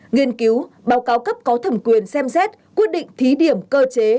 nghiên cứu báo cáo cấp có thẩm quyền xem xét quyết định thí điểm cơ chế